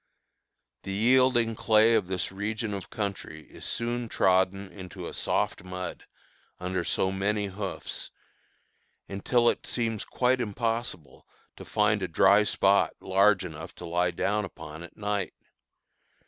The yielding clay of this region of country is soon trodden into a soft mud, under so many hoofs, until it seems quite impossible to find a dry spot large enough to lie down upon at night.